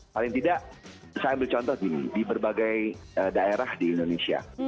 paling tidak saya ambil contoh gini di berbagai daerah di indonesia